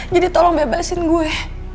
jadi tolong bebasin gue